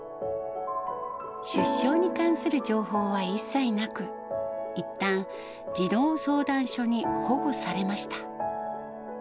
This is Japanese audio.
出生に関する情報は一切なく、いったん児童相談所に保護されました。